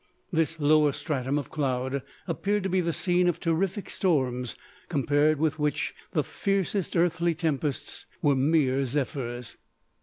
This lower stratum of cloud appeared to be the scene of terrific storms, compared with which the fiercest earthly tempests were mere zephyrs.